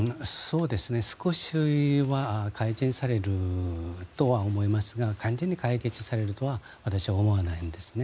少しは改善されるとは思いますが完全に解決されるとは私は思わないんですね。